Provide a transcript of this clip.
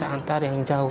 saya antar yang jauh